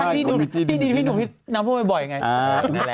พี่ดีหนังพ่อไปบ่อยไง